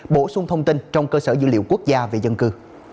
bổ sung thông tin trong cơ sở dữ liệu quốc gia về dân cư